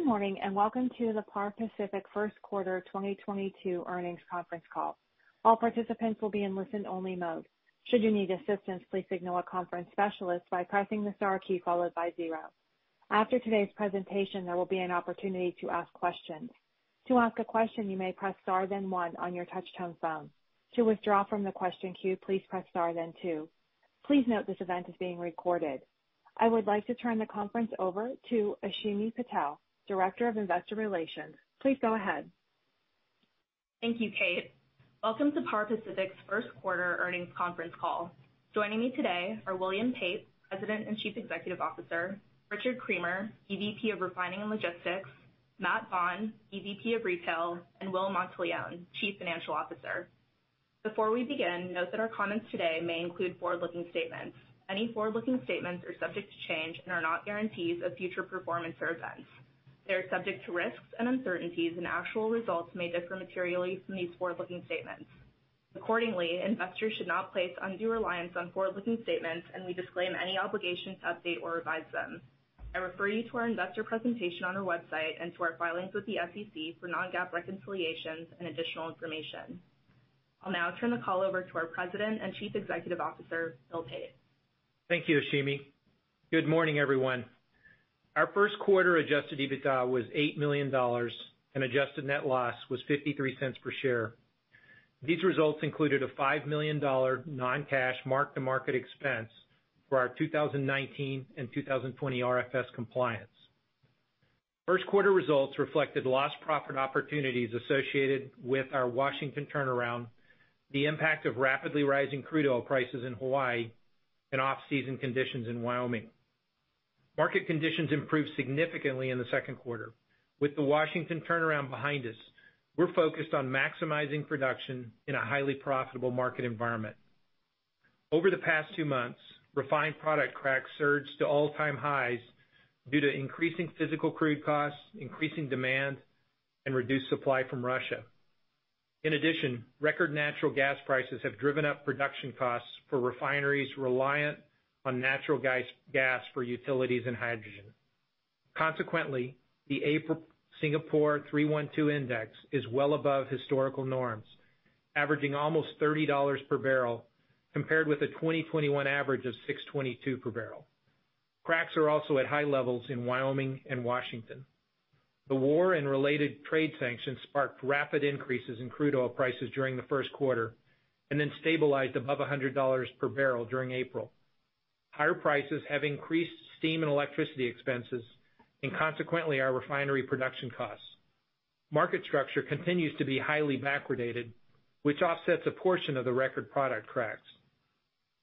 Good morning and welcome to the Par Pacific first quarter 2022 earnings conference call. All participants will be in listen-only mode. Should you need assistance, please signal a conference specialist by pressing the star key followed by zero. After today's presentation, there will be an opportunity to ask questions. To ask a question, you may press star then one on your touch-tone phone. To withdraw from the question queue, please press star then two. Please note this event is being recorded. I would like to turn the conference over to Ashimi Patel, Director of Investor Relations. Please go ahead. Thank you, Kate. Welcome to Par Pacific's First Quarter earnings conference call. Joining me today are William Pate, President and Chief Executive Officer; Richard Creamer, EVP of Refining and Logistics; Matt Vaughn, EVP of Retail; and Will Monteleone, Chief Financial Officer. Before we begin, note that our comments today may include forward-looking statements. Any forward-looking statements are subject to change and are not guarantees of future performance or events. They are subject to risks and uncertainties, and actual results may differ materially from these forward-looking statements. Accordingly, investors should not place undue reliance on forward-looking statements, and we disclaim any obligation to update or revise them. I refer you to our investor presentation on our website and to our filings with the SEC for non-GAAP reconciliations and additional information. I'll now turn the call over to our President and Chief Executive Officer, Bill Pate. Thank you, Ashimi. Good morning, everyone. Our first quarter adjusted EBITDA was $8 million, and adjusted net loss was $0.53 per share. These results included a $5 million non-cash mark-to-market expense for our 2019 and 2020 RFS compliance. First quarter results reflected lost profit opportunities associated with our Washington turnaround, the impact of rapidly rising crude oil prices in Hawaii, and off-season conditions in Wyoming. Market conditions improved significantly in the second quarter. With the Washington turnaround behind us, we're focused on maximizing production in a highly profitable market environment. Over the past two months, refined product crack surged to all-time highs due to increasing physical crude costs, increasing demand, and reduced supply from Russia. In addition, record natural gas prices have driven up production costs for refineries reliant on natural gas for utilities and hydrogen. Consequently, the April Singapore 312 index is well above historical norms, averaging almost $30 per barrel, compared with a 2021 average of $22 per barrel. Cracks are also at high levels in Wyoming and Washington. The war and related trade sanctions sparked rapid increases in crude oil prices during the first quarter and then stabilized above $100 per barrel during April. Higher prices have increased steam and electricity expenses and consequently our refinery production costs. Market structure continues to be highly backwardated, which offsets a portion of the record product cracks.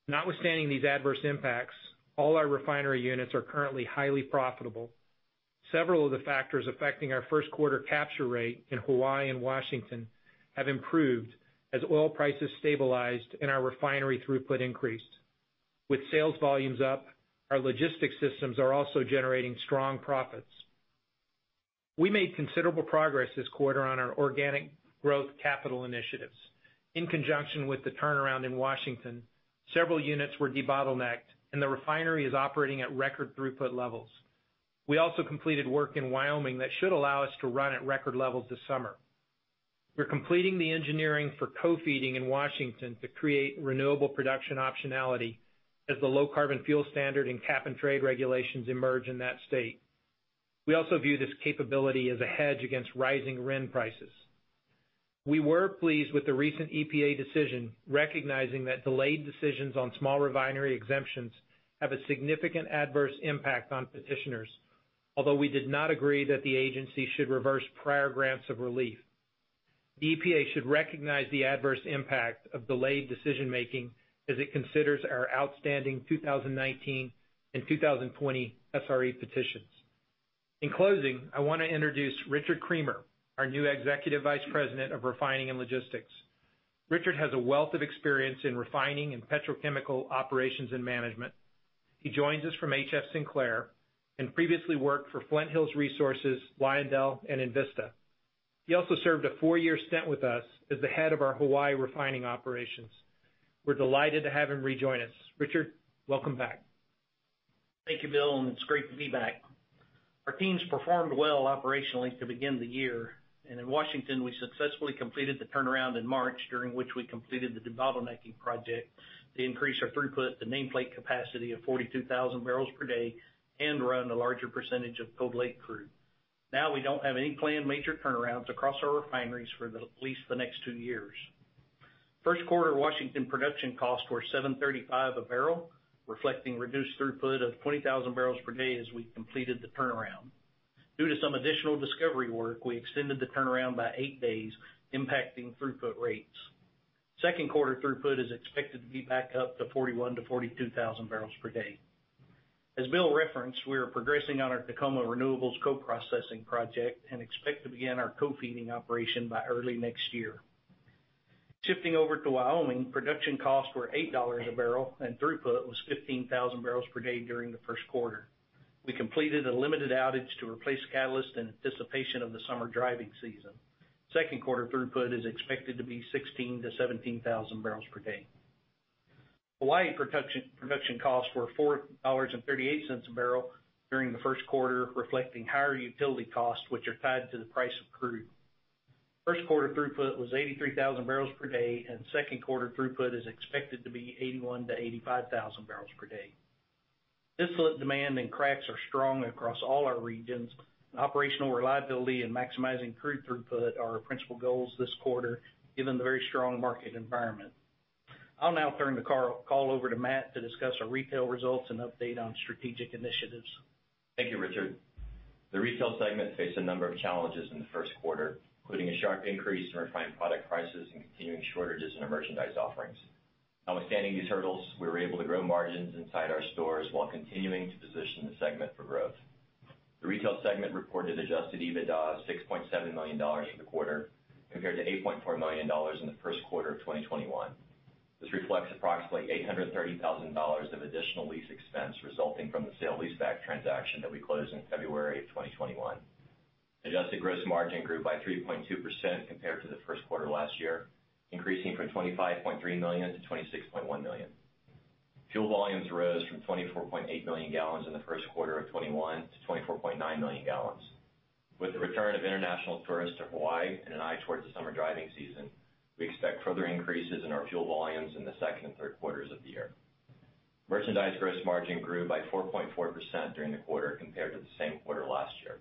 Notwithstanding these adverse impacts, all our refinery units are currently highly profitable. Several of the factors affecting our first quarter capture rate in Hawaii and Washington have improved as oil prices stabilized and our refinery throughput increased. With sales volumes up, our logistics systems are also generating strong profits. We made considerable progress this quarter on our organic growth capital initiatives. In conjunction with the turnaround in Washington, several units were debottlenecked, and the refinery is operating at record throughput levels. We also completed work in Wyoming that should allow us to run at record levels this summer. We're completing the engineering for co-feeding in Washington to create renewable production optionality as the low carbon fuel standard and cap and trade regulations emerge in that state. We also view this capability as a hedge against rising RIN prices. We were pleased with the recent EPA decision, recognizing that delayed decisions on small refinery exemptions have a significant adverse impact on petitioners, although we did not agree that the agency should reverse prior grants of relief. The EPA should recognize the adverse impact of delayed decision-making as it considers our outstanding 2019 and 2020 SRE petitions. In closing, I want to introduce Richard Creamer, our new Executive Vice President of Refining and Logistics. Richard has a wealth of experience in refining and petrochemical operations and management. He joins us from HF Sinclair and previously worked for Flint Hills Resources, LyondellBasell, and Invista. He also served a four-year stint with us as the head of our Hawaii refining operations. We're delighted to have him rejoin us. Richard, welcome back. Thank you, Bill, and it's great to be back. Our teams performed well operationally to begin the year, and in Washington, we successfully completed the turnaround in March, during which we completed the debottlenecking project to increase our throughput, the nameplate capacity of 42,000 barrels per day, and run a larger percentage of Cold Lake crude. Now we don't have any planned major turnarounds across our refineries for at least the next two years. First quarter Washington production costs were $7.35 a barrel, reflecting reduced throughput of 20,000 barrels per day as we completed the turnaround. Due to some additional discovery work, we extended the turnaround by eight days, impacting throughput rates. Second quarter throughput is expected to be back up to 41,000 barrels-42,000 barrels per day. As Bill referenced, we are progressing on our Tacoma Renewables co-processing project and expect to begin our co-feeding operation by early next year. Shifting over to Wyoming, production costs were $8 a barrel and throughput was 15,000 barrels per day during the first quarter. We completed a limited outage to replace catalyst in anticipation of the summer driving season. Second quarter throughput is expected to be 16,000 barrels-17,000 barrels per day. Hawaii production costs were $4.38 a barrel during the first quarter, reflecting higher utility costs, which are tied to the price of crude. First quarter throughput was 83,000 barrels per day, and second quarter throughput is expected to be 81,000 barrels-85,000 barrels per day. Disparate demand and cracks are strong across all our regions, and operational reliability and maximizing crude throughput are our principal goals this quarter, given the very strong market environment. I'll now turn the call over to Matt to discuss our retail results and update on strategic initiatives. Thank you, Richard. The retail segment faced a number of challenges in the first quarter, including a sharp increase in refined product prices and continuing shortages in our merchandise offerings. Notwithstanding these hurdles, we were able to grow margins inside our stores while continuing to position the segment for growth. The retail segment reported adjusted EBITDA of $6.7 million for the quarter, compared to $8.4 million in the first quarter of 2021. This reflects approximately $830,000 of additional lease expense resulting from the sale lease-back transaction that we closed in February of 2021. Adjusted gross margin grew by 3.2% compared to the first quarter last year, increasing from $25.3 million to $26.1 million. Fuel volumes rose from 24.8 million gallons in the first quarter of 2021 to 24.9 million gallons. With the return of international tourists to Hawaii and an eye towards the summer driving season, we expect further increases in our fuel volumes in the second and third quarters of the year. Merchandise gross margin grew by 4.4% during the quarter compared to the same quarter last year.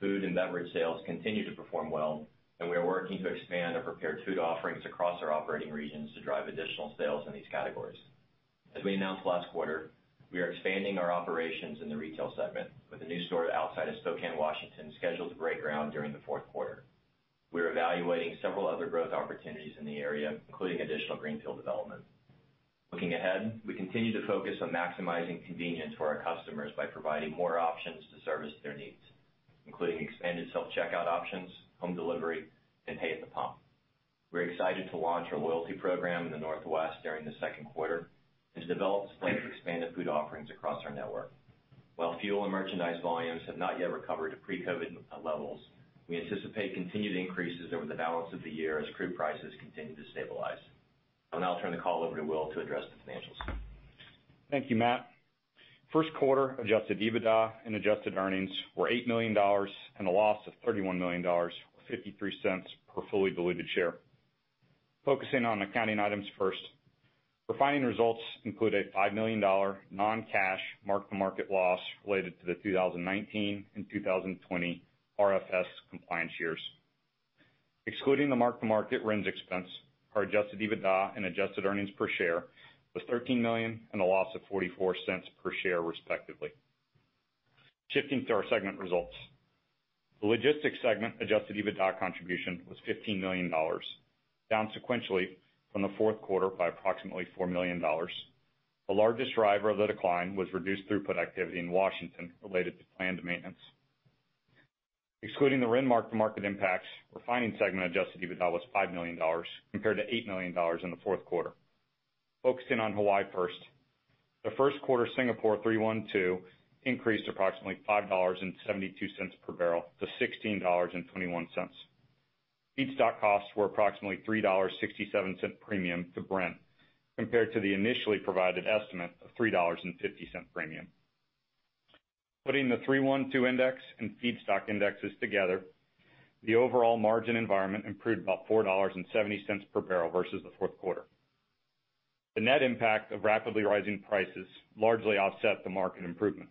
Food and beverage sales continue to perform well, and we are working to expand and prepare food offerings across our operating regions to drive additional sales in these categories. As we announced last quarter, we are expanding our operations in the retail segment, with a new store outside of Spokane, Washington, scheduled to break ground during the fourth quarter. We are evaluating several other growth opportunities in the area, including additional greenfield development. Looking ahead, we continue to focus on maximizing convenience for our customers by providing more options to service their needs, including expanded self-checkout options, home delivery, and pay at the pump. We're excited to launch our loyalty program in the Northwest during the second quarter and to develop expanded food offerings across our network. While fuel and merchandise volumes have not yet recovered to pre-COVID levels, we anticipate continued increases over the balance of the year as crude prices continue to stabilize. I will turn the call over to Will to address the financials. Thank you, Matt. First quarter adjusted EBITDA and adjusted earnings were $8 million, and the loss of $31 million was $0.53 per fully diluted share. Focusing on accounting items first, refining results include a $5 million non-cash mark-to-market loss related to the 2019 and 2020 RFS compliance years. Excluding the mark-to-market RINs expense, our adjusted EBITDA and adjusted earnings per share was $13 million and a loss of $0.44 per share, respectively. Shifting to our segment results, the logistics segment adjusted EBITDA contribution was $15 million, down sequentially from the fourth quarter by approximately $4 million. The largest driver of the decline was reduced throughput activity in Washington related to planned maintenance. Excluding the RIN mark-to-market impacts, refining segment adjusted EBITDA was $5 million compared to $8 million in the fourth quarter. Focusing on Hawaii first, the first quarter Singapore 312 increased approximately $5.72 per barrel to $16.21. Feedstock costs were approximately $3.67 premium to Brent compared to the initially provided estimate of $3.50 premium. Putting the 312 index and feedstock indexes together, the overall margin environment improved about $4.70 per barrel versus the fourth quarter. The net impact of rapidly rising prices largely offset the market improvement,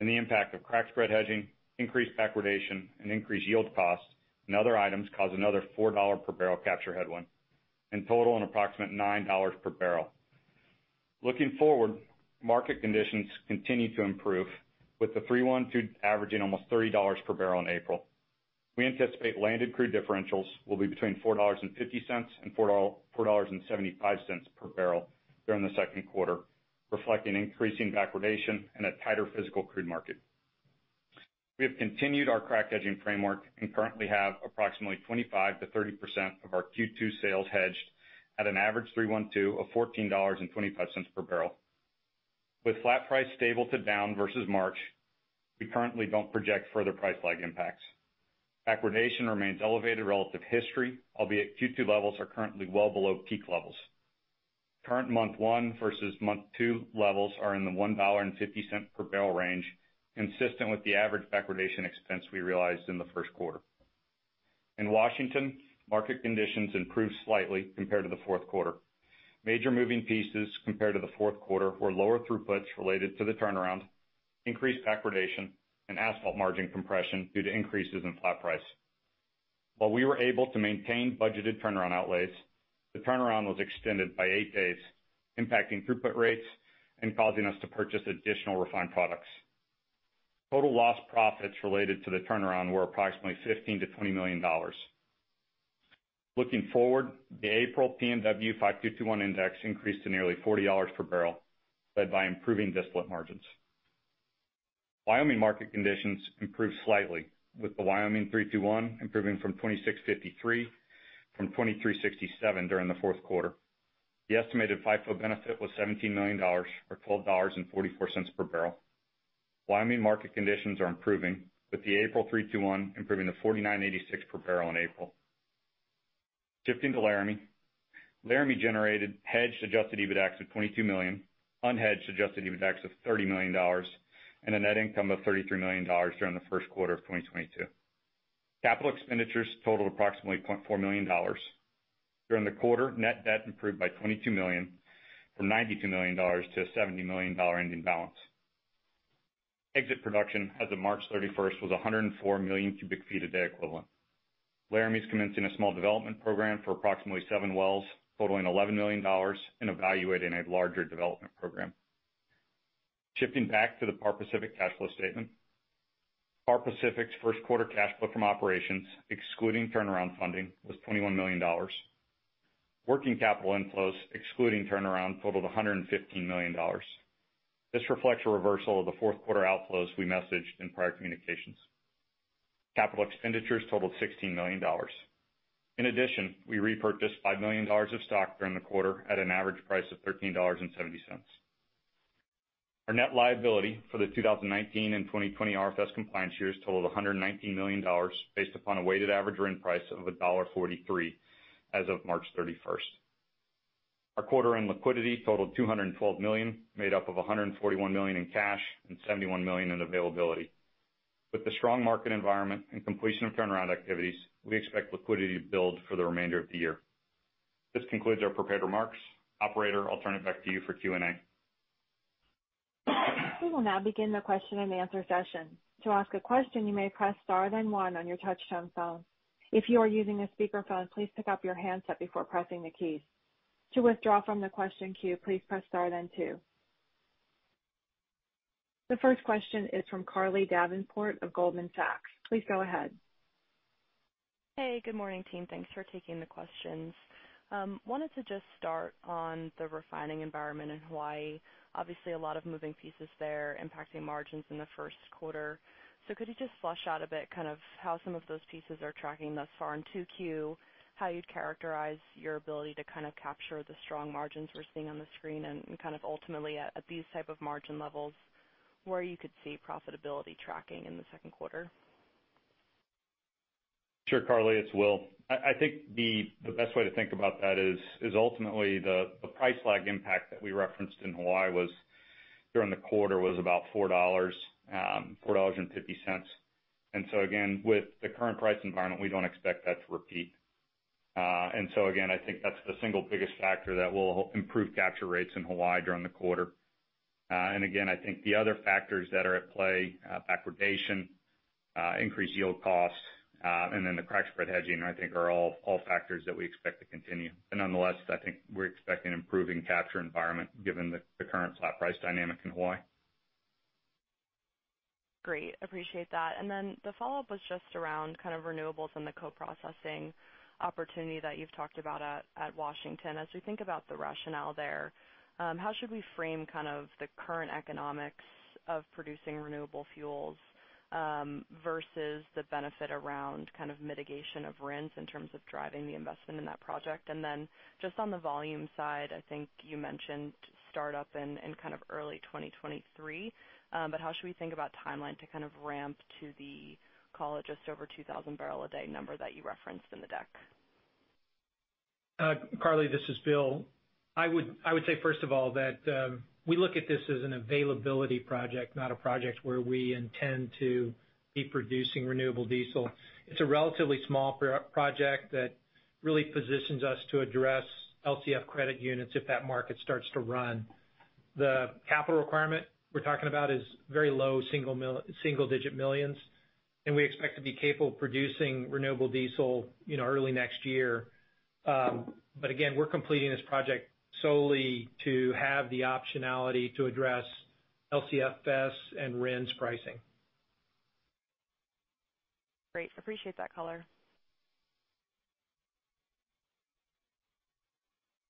and the impact of crack spread hedging, increased backwardation, and increased yield costs and other items caused another $4 per barrel capture headwind, totaling approximately $9 per barrel. Looking forward, market conditions continue to improve, with the 312 averaging almost $30 per barrel in April. We anticipate landed crude differentials will be between $4.50 and $4.75 per barrel during the second quarter, reflecting increasing backwardation and a tighter physical crude market. We have continued our crack hedging framework and currently have approximately 25%-30% of our Q2 sales hedged at an average 312 of $14.25 per barrel. With flat price stable to down versus March, we currently don't project further price lag impacts. Backwardation remains elevated relative to history, albeit Q2 levels are currently well below peak levels. Current month one versus month two levels are in the $1.50 per barrel range, consistent with the average backwardation expense we realized in the first quarter. In Washington, market conditions improved slightly compared to the fourth quarter. Major moving pieces compared to the fourth quarter were lower throughputs related to the turnaround, increased backwardation, and asphalt margin compression due to increases in flat price. While we were able to maintain budgeted turnaround outlays, the turnaround was extended by eight days, impacting throughput rates and causing us to purchase additional refined products. Total lost profits related to the turnaround were approximately $15 million-$20 million. Looking forward, the April P&W 5221 index increased to nearly $40 per barrel, led by improving disparate margins. Wyoming market conditions improved slightly, with the Wyoming 321 improving from 26.53 from 23.67 during the fourth quarter. The estimated FIFO benefit was $17 million or $12.44 per barrel. Wyoming market conditions are improving, with the April 321 improving to $49.86 per barrel in April. Shifting to Laramie, Laramie generated hedged adjusted EBITDA of $22 million, unhedged adjusted EBITDA of $30 million, and a net income of $33 million during the first quarter of 2022. Capital expenditures totaled approximately $0.4 million. During the quarter, net debt improved by $22 million from $92 million to a $70 million ending balance. Exit production as of March 31st was 104 million cu ft a day equivalent. Laramie's commencing a small development program for approximately seven wells, totaling $11 million, and evaluating a larger development program. Shifting back to the Par Pacific cash flow statement, Par Pacific's first quarter cash flow from operations, excluding turnaround funding, was $21 million. Working capital inflows, excluding turnaround, totaled $115 million. This reflects a reversal of the fourth quarter outflows we messaged in prior communications. Capital expenditures totaled $16 million. In addition, we repurchased $5 million of stock during the quarter at an average price of $13.70. Our net liability for the 2019 and 2020 RFS compliance years totaled $119 million, based upon a weighted average RIN price of $1.43 as of March 31st. Our quarter-end liquidity totaled $212 million, made up of $141 million in cash and $71 million in availability. With the strong market environment and completion of turnaround activities, we expect liquidity to build for the remainder of the year. This concludes our prepared remarks. Operator, I'll turn it back to you for Q&A. We will now begin the question and answer session. To ask a question, you may press star then one on your touch-tone phone. If you are using a speakerphone, please pick up your handset before pressing the keys. To withdraw from the question queue, please press star then two. The first question is from Carly Davenport of Goldman Sachs. Please go ahead. Hey, good morning team. Thanks for taking the questions. Wanted to just start on the refining environment in Hawaii. Obviously, a lot of moving pieces there impacting margins in the first quarter. Could you just flesh out a bit kind of how some of those pieces are tracking thus far in 2Q, how you'd characterize your ability to kind of capture the strong margins we're seeing on the screen and kind of ultimately at these type of margin levels, where you could see profitability tracking in the second quarter? Sure, Carly, it's Will. I think the best way to think about that is ultimately the price lag impact that we referenced in Hawaii during the quarter was about $4.50. With the current price environment, we do not expect that to repeat. I think that is the single biggest factor that will improve capture rates in Hawaii during the quarter. I think the other factors that are at play, backwardation, increased yield costs, and then the crack spread hedging, are all factors that we expect to continue. Nonetheless, I think we are expecting improving capture environment given the current flat price dynamic in Hawaii. Great. Appreciate that. The follow-up was just around kind of renewables and the co-processing opportunity that you've talked about at Washington. As we think about the rationale there, how should we frame kind of the current economics of producing renewable fuels versus the benefit around kind of mitigation of RINs in terms of driving the investment in that project? Just on the volume side, I think you mentioned startup in kind of early 2023, but how should we think about timeline to kind of ramp to the, call it just over 2,000 barrel a day number that you referenced in the deck? Carly, this is Bill. I would say, first of all, that we look at this as an availability project, not a project where we intend to be producing renewable diesel. It is a relatively small project that really positions us to address LCFS credit units if that market starts to run. The capital requirement we are talking about is very low single-digit millions, and we expect to be capable of producing renewable diesel early next year. Again, we are completing this project solely to have the optionality to address LCFS and RINs pricing. Great. Appreciate that color.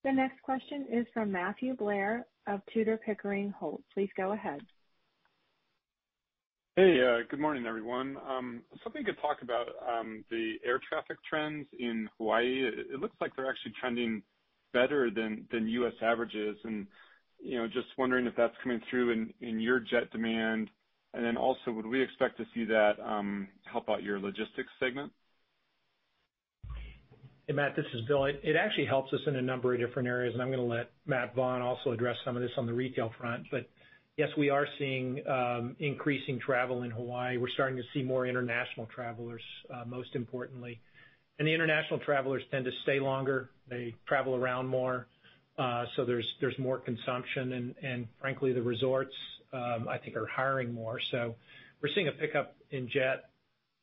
The next question is from Matthew Blair of Tudor Pickering Holt. Please go ahead. Hey, good morning, everyone. Something to talk about the air traffic trends in Hawaii. It looks like they're actually trending better than U.S. averages, and just wondering if that's coming through in your jet demand. Also, would we expect to see that help out your logistics segment? Hey, Matt, this is Bill. It actually helps us in a number of different areas, and I'm going to let Matt Vaughn also address some of this on the retail front. Yes, we are seeing increasing travel in Hawaii. We're starting to see more international travelers, most importantly. The international travelers tend to stay longer. They travel around more, so there's more consumption. Frankly, the resorts, I think, are hiring more. We're seeing a pickup in jet.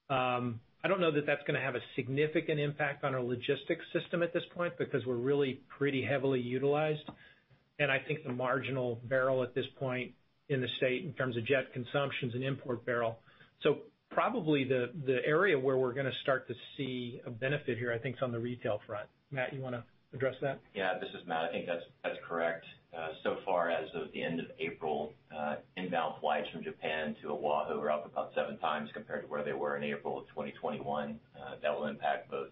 I don't know that that's going to have a significant impact on our logistics system at this point because we're really pretty heavily utilized. I think the marginal barrel at this point in the state in terms of jet consumption is an import barrel. Probably the area where we're going to start to see a benefit here, I think, is on the retail front. Matt, you want to address that? Yeah, this is Matt. I think that's correct. So far as of the end of April, inbound flights from Japan to Oahu are up about seven times compared to where they were in April of 2021. That will impact both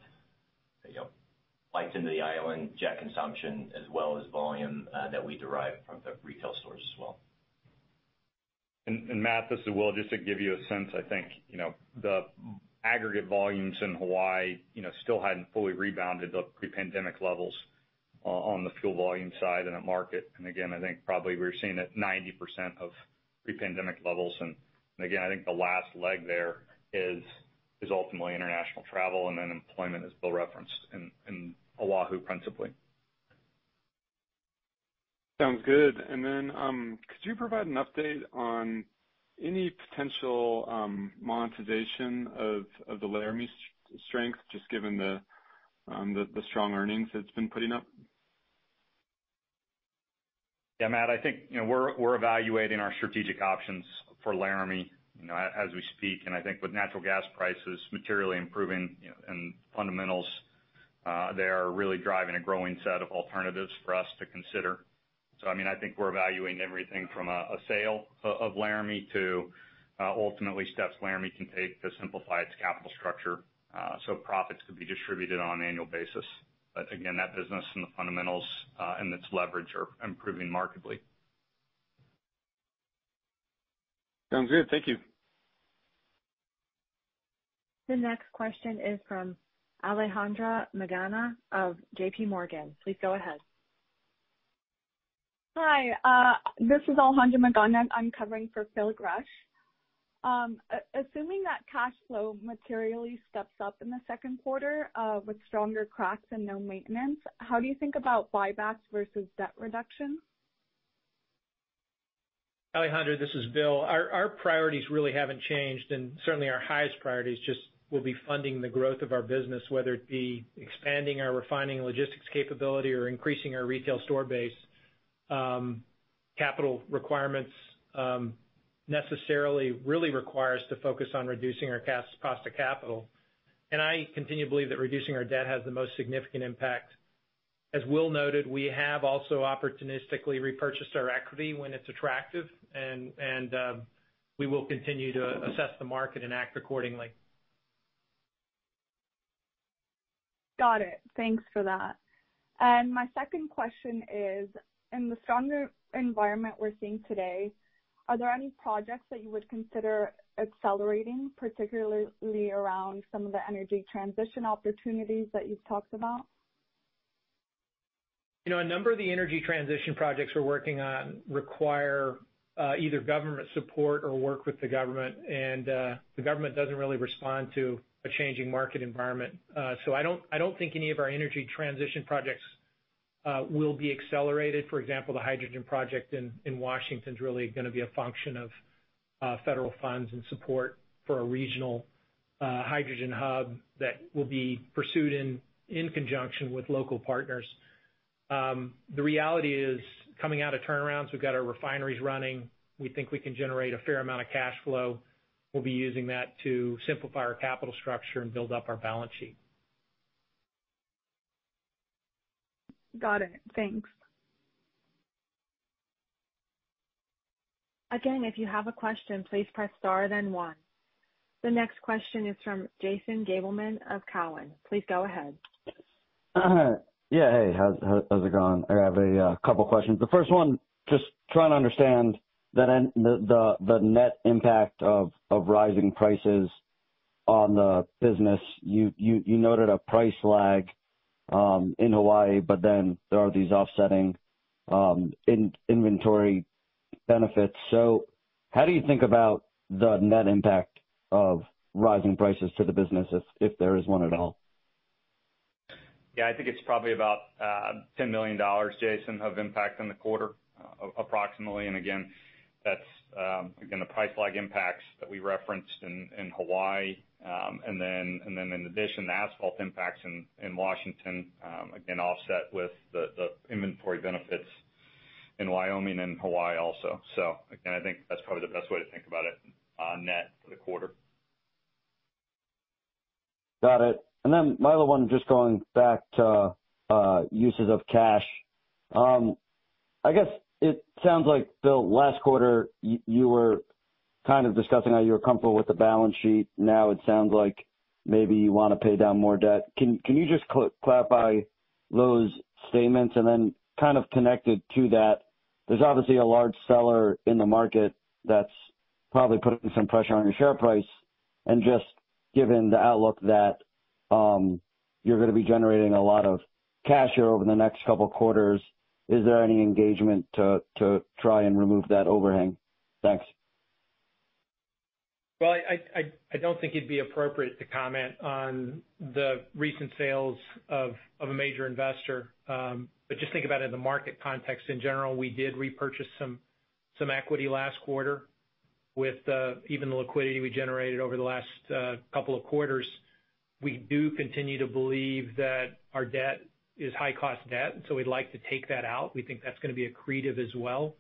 flights into the island, jet consumption, as well as volume that we derive from the retail stores as well. Matt, this is Will. Just to give you a sense, I think the aggregate volumes in Hawaii still had not fully rebounded to pre-pandemic levels on the fuel volume side in the market. I think probably we are seeing it at 90% of pre-pandemic levels. I think the last leg there is ultimately international travel, and then employment as Bill referenced in Oahu principally. Sounds good. Could you provide an update on any potential monetization of the Laramie strength, just given the strong earnings it's been putting up? Yeah, Matt, I think we're evaluating our strategic options for Laramie as we speak. I think with natural gas prices materially improving and fundamentals, they are really driving a growing set of alternatives for us to consider. I mean, I think we're evaluating everything from a sale of Laramie to ultimately steps Laramie can take to simplify its capital structure so profits could be distributed on an annual basis. Again, that business and the fundamentals and its leverage are improving markedly. Sounds good. Thank you. The next question is from Alejandra Magana of JPMorgan. Please go ahead. Hi. This is Alejandra Magana. I'm covering for Phil Gresh. Assuming that cash flow materially steps up in the second quarter with stronger cracks and no maintenance, how do you think about buybacks versus debt reduction? Alejandra, this is Bill. Our priorities really have not changed, and certainly our highest priorities just will be funding the growth of our business, whether it be expanding our refining logistics capability or increasing our retail store base. Capital requirements necessarily really require us to focus on reducing our cost of capital. I continue to believe that reducing our debt has the most significant impact. As Will noted, we have also opportunistically repurchased our equity when it is attractive, and we will continue to assess the market and act accordingly. Got it. Thanks for that. My second question is, in the stronger environment we're seeing today, are there any projects that you would consider accelerating, particularly around some of the energy transition opportunities that you've talked about? A number of the energy transition projects we're working on require either government support or work with the government, and the government doesn't really respond to a changing market environment. I don't think any of our energy transition projects will be accelerated. For example, the hydrogen project in Washington is really going to be a function of federal funds and support for a regional hydrogen hub that will be pursued in conjunction with local partners. The reality is coming out of turnarounds, we've got our refineries running. We think we can generate a fair amount of cash flow. We'll be using that to simplify our capital structure and build up our balance sheet. Got it. Thanks. Again, if you have a question, please press star then one. The next question is from Jason Gabelman of Cowen. Please go ahead. Yeah. Hey, how's it going? I have a couple of questions. The first one, just trying to understand the net impact of rising prices on the business. You noted a price lag in Hawaii, but then there are these offsetting inventory benefits. How do you think about the net impact of rising prices to the business, if there is one at all? Yeah, I think it's probably about $10 million, Jason, of impact in the quarter, approximately. I think that's the price lag impacts that we referenced in Hawaii. In addition, the asphalt impacts in Washington, again, offset with the inventory benefits in Wyoming and Hawaii also. I think that's probably the best way to think about it net for the quarter. Got it. My other one, just going back to uses of cash. I guess it sounds like, Bill, last quarter you were kind of discussing how you were comfortable with the balance sheet. Now it sounds like maybe you want to pay down more debt. Can you just clarify those statements? Kind of connected to that, there's obviously a large seller in the market that's probably putting some pressure on your share price. Just given the outlook that you're going to be generating a lot of cash here over the next couple of quarters, is there any engagement to try and remove that overhang? Thanks. I do not think it would be appropriate to comment on the recent sales of a major investor. Just think about it in the market context in general. We did repurchase some equity last quarter. With even the liquidity we generated over the last couple of quarters, we do continue to believe that our debt is high-cost debt, and we would like to take that out. We think that is going to be accretive as well.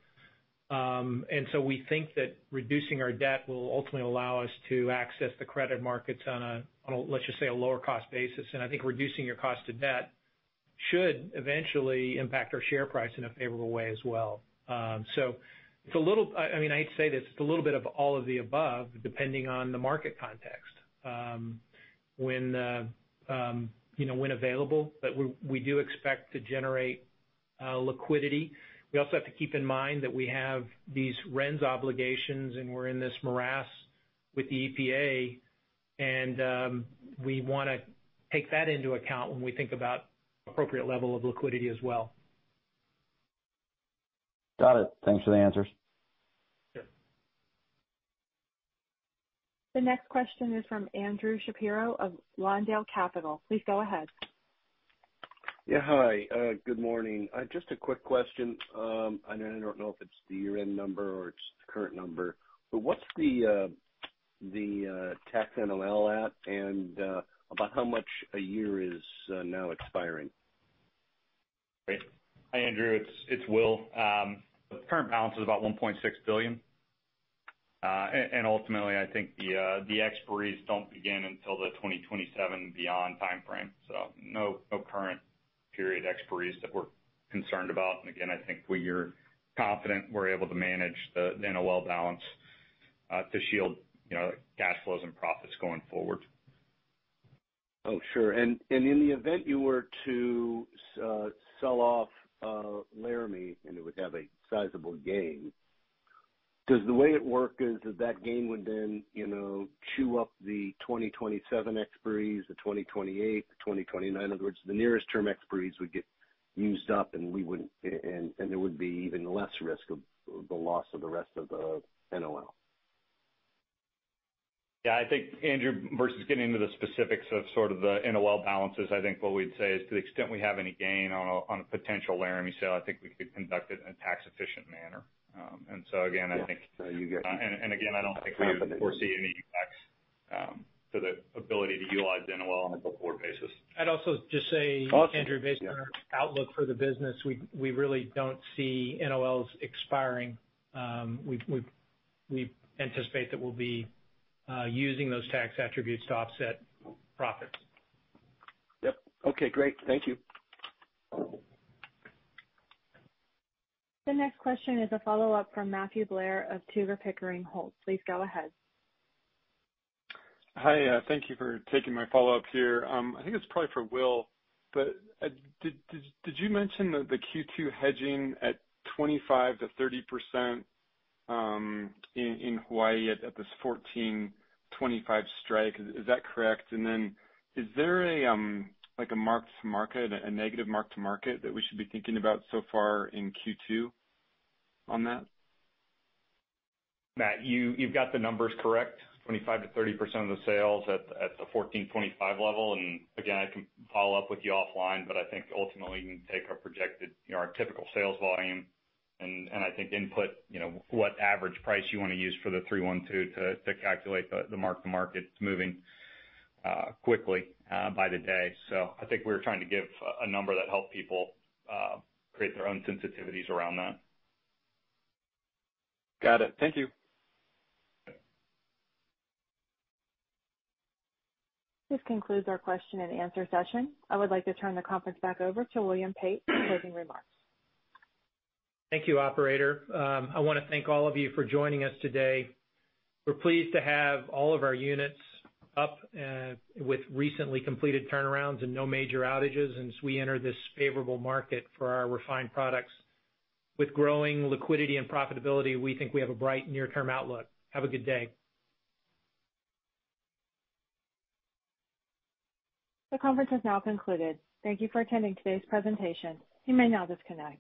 We think that reducing our debt will ultimately allow us to access the credit markets on a, let's just say, a lower-cost basis. I think reducing your cost of debt should eventually impact our share price in a favorable way as well. It is a little—I mean, I hate to say this. It is a little bit of all of the above, depending on the market context. When available, but we do expect to generate liquidity. We also have to keep in mind that we have these RINs obligations, and we're in this morass with the EPA, and we want to take that into account when we think about appropriate level of liquidity as well. Got it. Thanks for the answers. Sure. The next question is from Andrew Shapiro of Lawndale Capital. Please go ahead. Yeah. Hi. Good morning. Just a quick question. I don't know if it's the year-end number or it's the current number, but what's the tax NOL at and about how much a year is now expiring? Great. Hi, Andrew. It's Will. The current balance is about $1.6 billion. Ultimately, I think the expiries do not begin until the 2027 and beyond timeframe. No current period expiries that we are concerned about. Again, I think we are confident we are able to manage the NOL balance to shield cash flows and profits going forward. Oh, sure. In the event you were to sell off Laramie and it would have a sizable gain, does the way it work is that that gain would then chew up the 2027 expiries, the 2028, the 2029? In other words, the nearest-term expiries would get used up, and there would be even less risk of the loss of the rest of the NOL. Yeah. I think, Andrew, versus getting into the specifics of sort of the NOL balances, I think what we'd say is to the extent we have any gain on a potential Laramie sale, I think we could conduct it in a tax-efficient manner. I don't think we foresee any impacts to the ability to utilize the NOL on a before basis. I'd also just say, Andrew, based on our outlook for the business, we really don't see NOLs expiring. We anticipate that we'll be using those tax attributes to offset profits. Yep. Okay. Great. Thank you. The next question is a follow-up from Matthew Blair of Tudor Pickering Holt. Please go ahead. Hi. Thank you for taking my follow-up here. I think it's probably for Will, but did you mention that the Q2 hedging at 25%-30% in Hawaii at this 14-25 strike? Is that correct? Is there a mark-to-market, a negative mark-to-market that we should be thinking about so far in Q2 on that? Matt, you've got the numbers correct. 25%-30% of the sales at the 14-25 level. Again, I can follow up with you offline, but I think ultimately you can take our projected, our typical sales volume, and I think input what average price you want to use for the 312 to calculate the mark-to-market moving quickly by the day. I think we're trying to give a number that helps people create their own sensitivities around that. Got it. Thank you. This concludes our question-and-answer session. I would like to turn the conference back over to William Pate for closing remarks. Thank you, Operator. I want to thank all of you for joining us today. We are pleased to have all of our units up with recently completed turnarounds and no major outages. As we enter this favorable market for our refined products with growing liquidity and profitability, we think we have a bright near-term outlook. Have a good day. The conference has now concluded. Thank you for attending today's presentation. You may now disconnect.